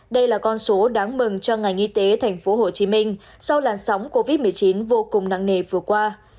đây là con số đáng mừng cho ngành y tế tp hcm sau làn sóng covid một mươi chín vô cùng nặng nề vừa qua